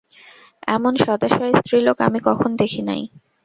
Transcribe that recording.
এমন সদাশয় স্ত্রীলোক আমি কখন দেখি নাই।